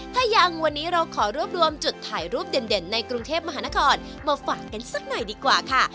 ถ้ายังวันนี้เราขอรวบรวมจุดถ่ายรูปเด่นในกรุงเทพมหานครมาฝากกันสักหน่อยดีกว่าค่ะ